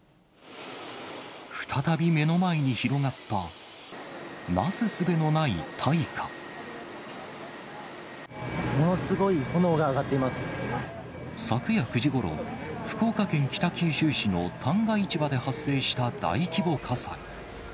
再び目の前に広がった、ものすごい炎が上がっていま昨夜９時ごろ、福岡県北九州市の旦過市場で発生した大規模火災。